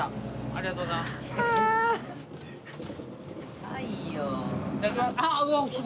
ありがとうございます。